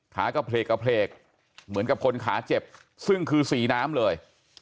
ขากระเพลกกระเพลกเหมือนกับคนขาเจ็บซึ่งคือสีน้ำเลย